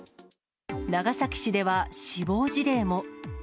長崎市では死亡事例も。